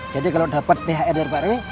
jadi kalau dapet thr dari pak rw